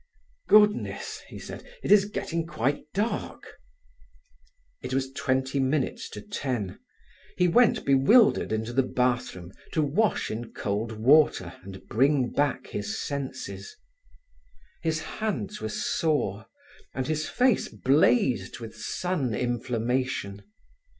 "Goodness," he said, "it's getting quite dark!" It was twenty minutes to ten. He went bewildered into the bathroom to wash in cold water and bring back his senses. His hands were sore, and his face blazed with sun inflammation.